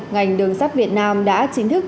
ngành đường sát việt nam đã chính thức